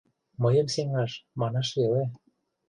Мыйым сеҥаш — манаш веле.